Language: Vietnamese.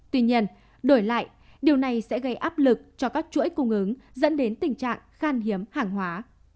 tuy nhiên đổi lại điều này sẽ gây áp lực cho các chuỗi cung ứng dẫn đến tình trạng khan hiếm hàng hóa